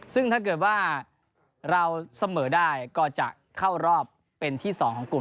ซึ่งถ้าเกิดว่าเราเสมอได้ก็จะเข้ารอบเป็นที่๒ของกลุ่ม